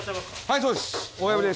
はい！